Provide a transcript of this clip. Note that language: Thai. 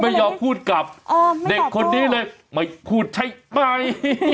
ไม่ยอมพูดกับเด็กคนนี้เลยไม่พูดใช่ไหม